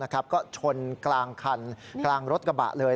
ก็ชนกลางคันกลางรถกระบะเลย